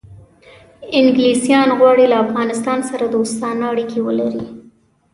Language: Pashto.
انګلیسان غواړي له افغانستان سره دوستانه اړیکې ولري.